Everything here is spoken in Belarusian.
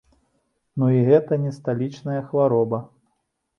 Ну, і гэта не сталічная хвароба.